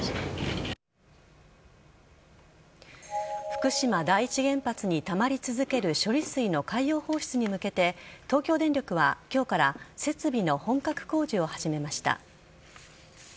福島第一原発にたまり続ける処理水の海洋放出に向けて東京電力は今日から設備の本格工事を始めました。